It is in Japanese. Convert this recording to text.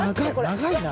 長いな。